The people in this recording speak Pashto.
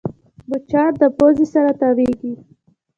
مچان د پوزې سره تاوېږي